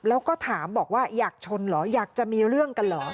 แล้วก็ถามบอกว่าอยากชนเหรออยากจะมีเรื่องกันเหรอ